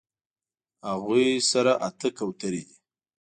هغوی سره اتۀ کوترې دي